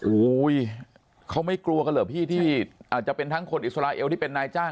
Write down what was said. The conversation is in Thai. อุ้ยเขาไม่กลัวกันเหรอพี่ที่อาจจะเป็นทั้งคนอิสราเอลที่เป็นนายจ้าง